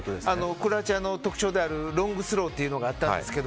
クロアチアの特徴であるロングスローがあったんですけど、